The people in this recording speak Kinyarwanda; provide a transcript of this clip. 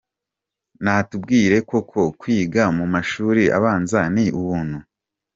Natubwire, koko kwiga mu mashuri abanza ni ubuntu?”.